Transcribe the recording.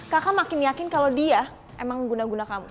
kakak makin yakin kalau dia emang guna guna kamu